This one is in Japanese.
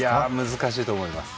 難しいと思います。